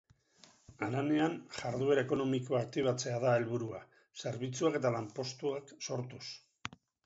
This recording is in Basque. Haranean jarduera ekonomikoa aktibatzea da helburua, zerbitzuak eta lanpostuak sortuz.